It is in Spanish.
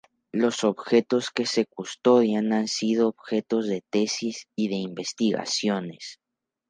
Los objetos que se custodian han sido objeto de tesis y de investigaciones.